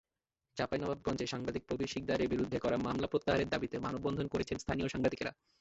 চাঁপাইনবাবগঞ্জে সাংবাদিক প্রবীর সিকদারের বিরুদ্ধে করা মামলা প্রত্যাহারের দাবিতে মানববন্ধন করেছেন স্থানীয় সাংবাদিকেরা।